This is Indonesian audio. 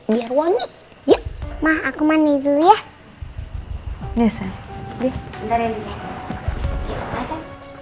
biar wangi ya ma aku mandi dulu ya hai desa